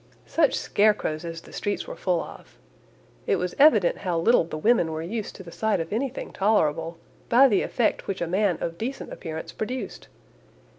Such scarecrows as the streets were full of! It was evident how little the women were used to the sight of anything tolerable, by the effect which a man of decent appearance produced.